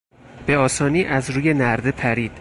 به آسانی از روی نرده پرید.